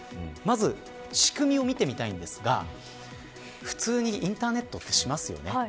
まず、仕組みを見てみたいんですが普通にインターネットってしますよね。